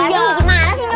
iya gimana sih doraemon